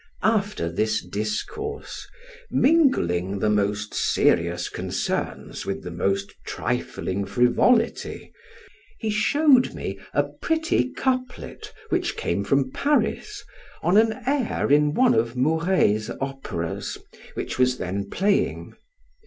After this discourse (mingling the most serious concerns with the most trifling frivolity) he showed me a pretty couplet, which came from Paris, on an air in one of Mouret's operas, which was then playing.